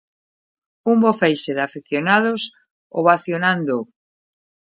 Un bo feixe de afeccionados ovacionándoo.